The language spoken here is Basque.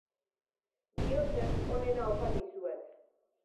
Bihotzez, onena opa dizuet.